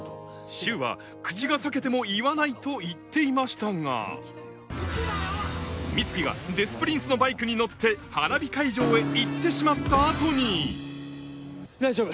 柊は口が裂けても言わないと言っていましたが美月がデス・プリンスのバイクに乗って花火会場へ行ってしまった後に大丈夫？